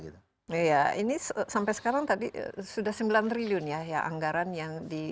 iya ini sampai sekarang tadi sudah sembilan triliun ya anggaran yang di